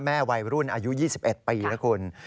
วัยรุ่นอายุ๒๑ปีนะคุณ